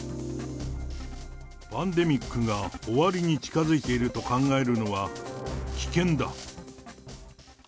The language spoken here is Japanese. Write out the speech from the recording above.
パンデミックが終わりに近づいていると考えるのは危険だ。